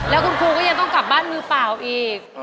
แล้วคุณครูก็ยังต้องกลับบ้านมือเปล่าอีก